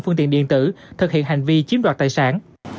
phương tiện điện tử thực hiện hành vi chiếm đoạt tài sản